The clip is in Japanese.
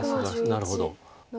なるほど。